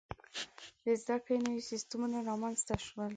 • د زده کړې نوي سیستمونه رامنځته شول.